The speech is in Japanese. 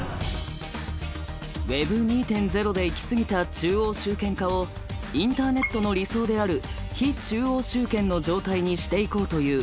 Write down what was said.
Ｗｅｂ２．０で行き過ぎた中央集権化をインターネットの理想である非中央集権の状態にしていこうというＷｅｂ３。